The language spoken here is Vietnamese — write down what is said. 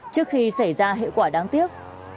trước khi xảy ra hệ quả đáng tiếc